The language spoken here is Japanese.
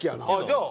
じゃあ。